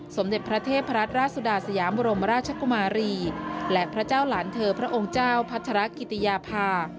สมเด็จพระเทพรัตนราชสุดาสยามบรมราชกุมารีและพระเจ้าหลานเธอพระองค์เจ้าพัชรกิติยาภา